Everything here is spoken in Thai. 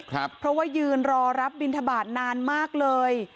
เพราะว่ายืนรอรับบินทบาทนานมากเลย